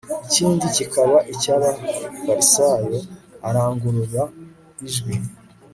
ikindi kikaba icy abafarisayo arangurura ijwi